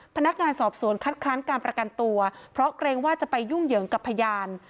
พนักงานสอบสวนคัดค้านการประกันตัวเพราะเกรงว่าจะไปยุ่งเหยิงกับพยาน